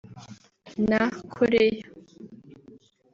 na Korea